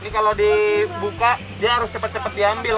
ini kalau dibuka dia harus cepat cepat diambil